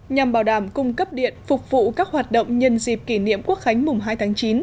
nhằm bảo đảm cung cấp điện phục vụ các hoạt động nhân dịp kỷ niệm quốc khánh mùng hai tháng chín